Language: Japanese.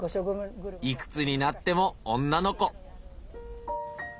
いくつになっても女の子。